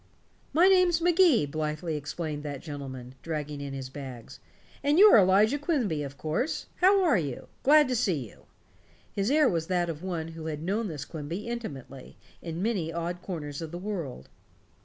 "My name's Magee," blithely explained that gentleman, dragging in his bags. "And you're Elijah Quimby, of course. How are you? Glad to see you." His air was that of one who had known this Quimby intimately, in many odd corners of the world.